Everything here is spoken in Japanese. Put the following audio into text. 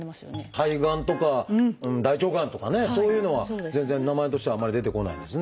肺がんとか大腸がんとかねそういうのは全然名前としてはあんまり出てこないんですね。